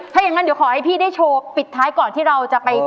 ถ้าอย่างนั้นเดี๋ยวขอให้พี่ได้โชว์ปิดท้ายก่อนที่เราจะไป